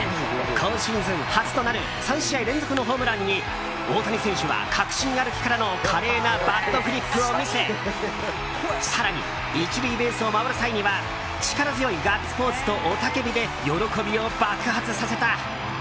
今シーズン初となる３試合連続のホームランに大谷選手は確信歩きからの華麗なバットフリップを見せ更に１塁ベースを回る際には力強いガッツポーズと雄叫びで喜びを爆発させた。